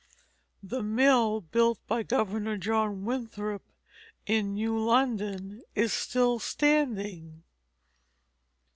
The mill built by Governor John Winthrop in New London is still standing.